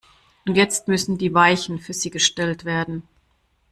Und jetzt müssen die Weichen für sie gestellt werden.